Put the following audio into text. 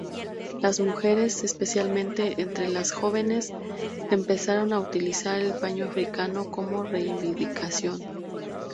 Las mujeres, especialmente entre las jóvenes, empezaron a utilizar el paño africano como reivindicación.